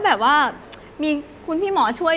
แบบว่ามีคุณพี่หมอช่วย